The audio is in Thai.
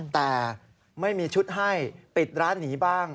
แต่ไม่มีชุดให้ปิดร้านหนีบ้าง